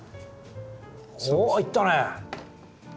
おおっいったね！